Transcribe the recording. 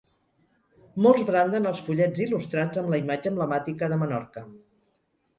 Molts branden els fullets il·lustrats amb la imatge emblemàtica de Menorca.